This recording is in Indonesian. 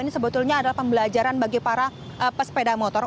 ini sebetulnya adalah pembelajaran bagi para pesepeda motor